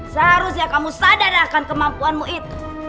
seharusnya kamu sadar akan kemampuanmu itu